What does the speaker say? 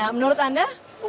ya menurut anda